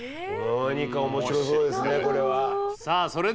何か面白そうですねこれは。何だろう？